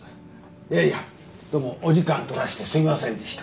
いやいやどうもお時間取らしてすいませんでした。